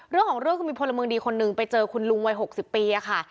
เรื่องของเรื่องคือมีพลเมืองดีคนนึงไปเจอคุณลุงวัย๖๐ปีค่ะ